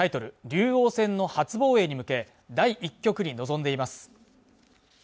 竜王戦の初防衛に向け第１局に臨んでいます